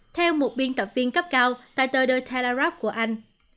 theo một biên tập viên cấp cao tại tờ the telegraph của anh